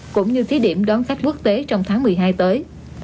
cũng như thí điểm đón khách quốc tế trong tháng một mươi hai tới